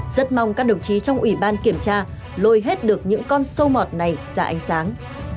rất mong các đồng chí trong ủy ban kiểm tra lôi hết được những con sâu mọt này ra ánh sáng